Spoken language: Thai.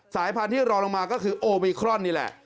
สายพันธุ์ที่รอลงมาก็คือโอมิครอนนี่แหละ